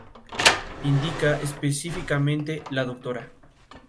Indica específicamente la Dra.